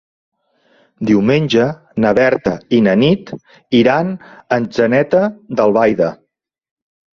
Diumenge na Berta i na Nit iran a Atzeneta d'Albaida.